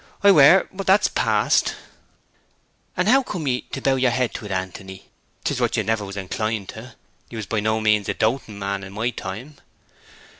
'I were; but that's past!' 'And how came ye to bow yer head to 't, Anthony? 'Tis what you never was inclined to. You was by no means a doting man in my time.'